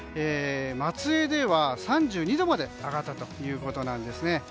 松江では３２度まで上がったということです。